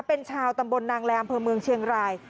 เป็นชาวตำบลนางแรมอำเภอเมืองเชียงราย